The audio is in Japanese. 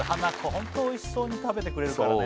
ホントおいしそうに食べてくれるからね